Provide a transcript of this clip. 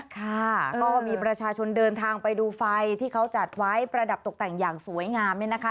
ค่ะก็มีประชาชนเดินทางไปดูไฟที่เขาจัดไว้ประดับตกแต่งอย่างสวยงามเนี่ยนะคะ